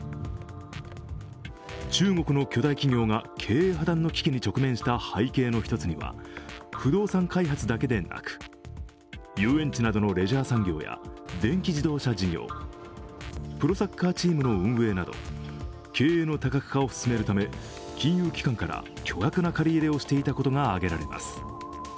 中国の巨大企業が経営破綻の危機に直面した背景の一つには不動産開発だけでなく、遊園地などのレジャー産業や電気自動車事業、プロサッカーチームの運営など、経営の多角化を進めるため、金融機関から巨額な借り入れをしていたことが挙げられます。